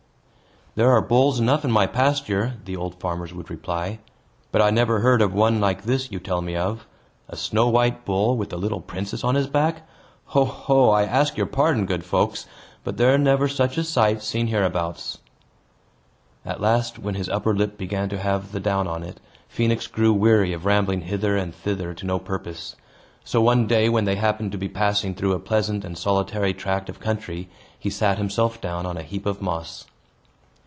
"There are bulls enough in my pasture," the old farmers would reply; "but I never heard of one like this you tell me of. A snow white bull with a little princess on his back! Ho! ho! I ask your pardon, good folks; but there never such a sight seen hereabouts." At last, when his upper lip began to have the down on it, Phoenix grew weary of rambling hither and thither to no purpose. So one day, when they happened to be passing through a pleasant and solitary tract of country, he sat himself down on a heap of moss.